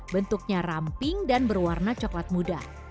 bentuknya ramping dan berwarna coklat muda